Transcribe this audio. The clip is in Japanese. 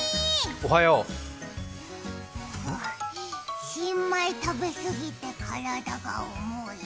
うぅぅ、新米食べすぎて体が重い。